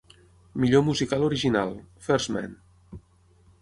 Millor musical original: ‘First Man’